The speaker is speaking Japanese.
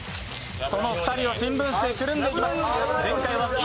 その２人を新聞紙でくるんでいきます。